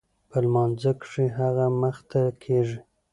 په لمانځه کښې هغه مخته کېږي.